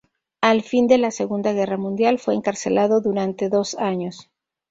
Al fin de la Segunda Guerra Mundial fue encarcelado durante dos años.